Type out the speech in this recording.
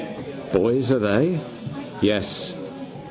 Boys are they? Yes.